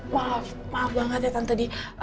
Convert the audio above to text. maaf maaf banget ya tante di